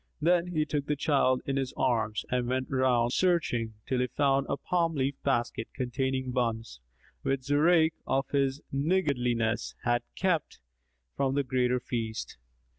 Then he took the child in his arms and went round, searching, till he found a palm leaf basket containing buns,[FN#249] which Zurayk of his niggardliness, had kept from the Greater Feast.